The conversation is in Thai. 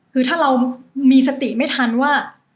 คือถ้าเรามีสติไม่ทันว่า